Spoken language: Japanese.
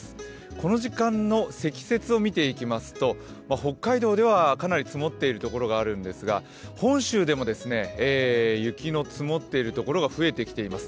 この時間の積雪を見ていきますと、北海道ではかなり積もっているところがあるんですが本州でも、雪の積もっているところが増えてきています。